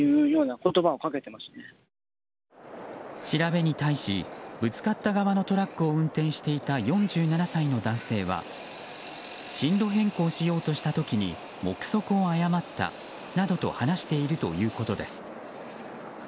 調べに対しぶつかった側のトラックを運転していた、４７歳の男性は進路変更しようとした時に目測を誤ったなどと話しているということです。